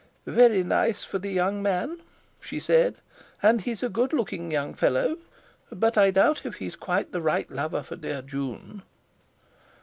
"Very nice for the young man," she said; "and he's a good looking young fellow; but I doubt if he's quite the right lover for dear June."